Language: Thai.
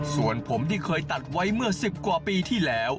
ส่วนผมที่เคยตัดไว้เมื่อ๑๐กว่าปีที่แล้ว